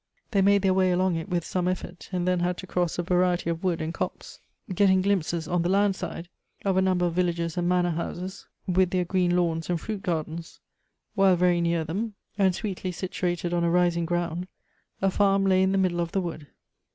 They made their way along it, with some effort, and then had to cross a variety of wood and copse — getting glimpses, on the land side, of a number of villages and manor houses, with their green lawns and fruit gardens; while very near them, and sweetly situated on a rising ground, a farm lay in the middle of the wood.